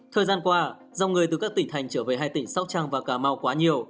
thời gian qua dòng người từ các tỉnh thành trở về hai tỉnh sóc trăng và cà mau quá nhiều